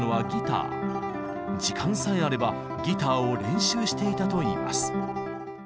時間さえあればギターを練習していたといいます。